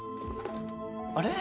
あれ？